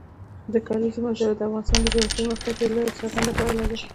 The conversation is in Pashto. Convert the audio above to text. د کلیزو منظره د افغانستان د جغرافیایي موقیعت یوه لویه او څرګنده پایله ده.